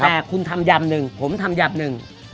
แต่คุณทำยำหนึ่งผมทำยำหนึ่ง